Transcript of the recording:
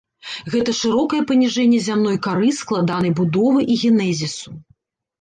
Гэта шырокае паніжэнне зямной кары складанай будовы і генезісу.